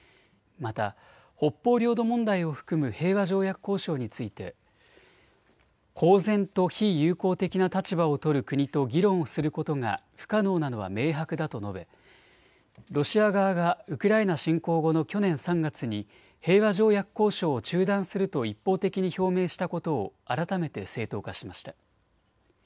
また北方領土問題を含む平和条約交渉について公然と非友好的な立場を取る国と議論することが不可能なのは明白だと述べロシア側がウクライナ侵攻後の去年３月に平和条約交渉を中断すると一方的に表明したことを改めて正当化しました。